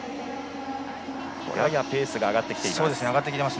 ややペースが上がってきています。